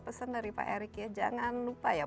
pesan dari pak erick ya jangan lupa ya